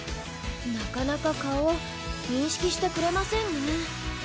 なかなか顔認識してくれませんね